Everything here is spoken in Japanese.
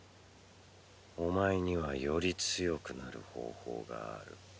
お前にはより強くなる方法がある。